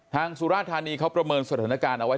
สุราธานีเขาประเมินสถานการณ์เอาไว้